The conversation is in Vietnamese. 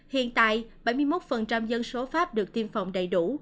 hiện tại bảy mươi một dân số pháp được tiêm phòng đầy đủ